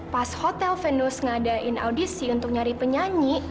pas hotel venus ngadain audisi untuk nyari penyanyi